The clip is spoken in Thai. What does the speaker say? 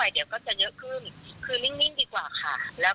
แล้วก็เดี๋ยวคุณรอนิดนึงเนาะ